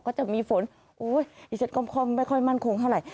ก็จะมีฝนอุ๊ยอย่าเช็ดกล้อมไม่ค่อยมั่นคงเท่าไหร่